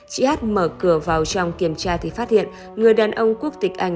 chị at mở cửa vào trong kiểm tra thì phát hiện người đàn ông quốc tịch anh